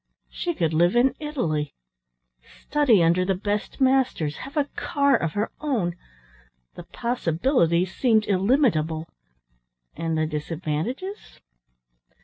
She could live in Italy, study under the best masters, have a car of her own the possibilities seemed illimitable and the disadvantages?